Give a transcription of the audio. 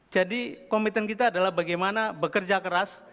jadi komitmen kita adalah bagaimana bekerja keras